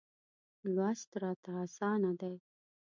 لوست راته اسانه دی.